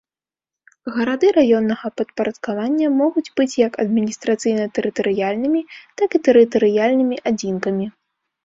Гарады раённага падпарадкавання могуць быць як адміністрацыйна-тэрытарыяльнымі, так і тэрытарыяльнымі адзінкамі.